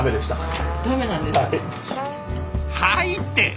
「はい」って！